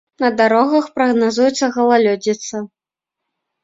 На дарогах прагназуецца галалёдзіца.